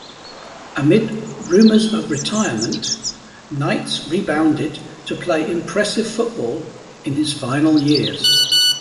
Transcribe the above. Amid rumours of retirement, Knights rebounded to play impressive football in his final years.